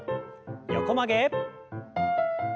横曲げ。